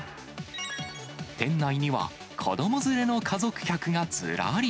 店内には子ども連れの家族客がずらり。